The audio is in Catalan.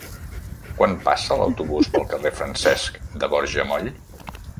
Quan passa l'autobús pel carrer Francesc de Borja Moll?